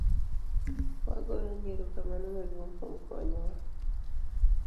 Wagoyo ni erokamano maduong' kuom konyo wa